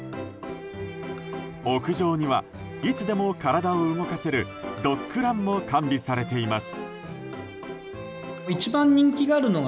屋上には、いつでも体を動かせるドッグランも完備されています。